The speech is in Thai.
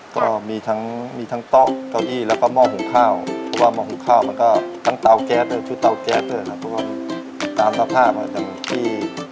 ก็มีทั้งมีทั้งโต๊ะเก้าอี้แล้วก็หม้อหุงข้าวเพราะว่าหม้อหุงข้าวมันก็ทั้งเตาแก๊สด้วยชุดเตาแก๊สด้วยนะครับเพราะว่าตามสภาพอย่างที่